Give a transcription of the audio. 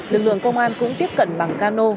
lực lượng công an cũng tiếp cận bằng cano